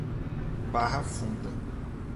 Barra Funda